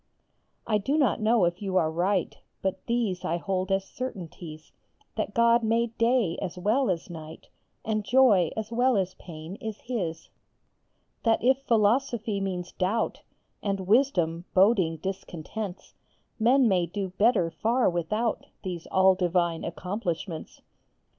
I do not know if you are right ; But these I hold as certainties : That God made day as well as night, And joy as well as pain is his ; That if philosophy means doubt, And wisdom boding discontents, Men may do better far without These all divine accomplishments